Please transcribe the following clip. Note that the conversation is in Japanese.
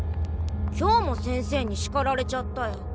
今日も先生にしかられちゃったよ。